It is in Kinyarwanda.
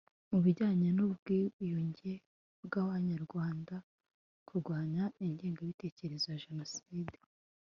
mu bijyanye n'ubwiyunge bw'abanyarwanda, kurwanya ingengabitekerezo ya jenoside